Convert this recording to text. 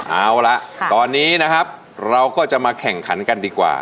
เอาละตอนนี้นะครับเราก็จะมาแข่งขันกันดีกว่า